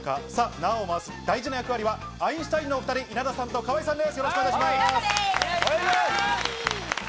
縄を回す大事な役割はアインシュタイン・稲田さんと河井さんです。